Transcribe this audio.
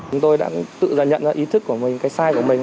chúng tôi đã tự dần nhận ra ý thức của mình cái sai của mình